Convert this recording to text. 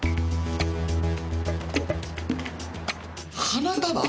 花束？